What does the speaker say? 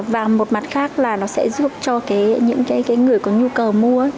và một mặt khác là nó sẽ giúp cho những người có nhu cầu mua